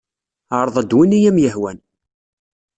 Ɛreḍ-d win ay am-yehwan.